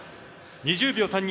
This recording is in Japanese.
２０秒３２